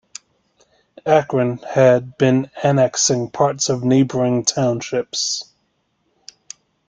Akron had been annexing parts of neighboring townships.